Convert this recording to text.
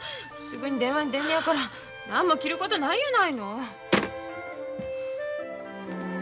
すぐに電話に出るのやからなんも切ることないやないの。